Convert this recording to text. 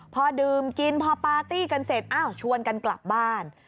พอดื่มกินพอปาร์ตี้กันเสร็จอ้าวชวนกันกลับบ้าน